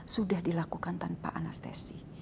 sudah dilakukan tanpa anestesi